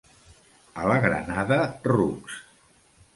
A la Granada, rucs.